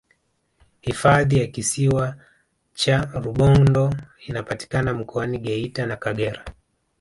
hifadhi ya kisiwa cha rubondo inapatikana mkoani geita na kagera